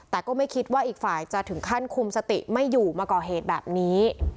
แต่ก็ไม่คิดว่าอีกฝ่ายจะถึงขั้นคุมสติไม่อยู่มาก่อเหตุแบบนี้